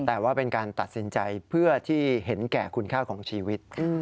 แต่ว่าเป็นการตัดสินใจเพื่อที่เห็นแก่คุณค่าของชีวิต